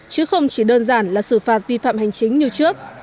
chứ không chỉ đơn giản là xử phạt vi phạm hành chính như trước